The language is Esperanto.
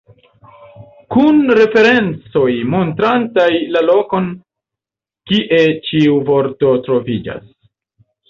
Kun referencoj montrantaj la lokon, kie ĉiu vorto troviĝas.